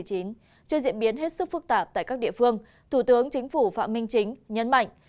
trên diễn biến hết sức phức tạp tại các địa phương thủ tướng chính phủ phạm minh chính nhấn mạnh